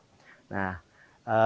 dan juga keuangan untuk jalan desa